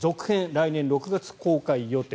来年６月公開予定